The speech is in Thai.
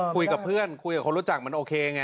คุยกับเพื่อนคุยกับคนรู้จักมันโอเคไง